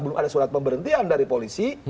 belum ada surat pemberhentian dari polisi